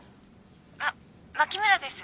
あっ牧村です。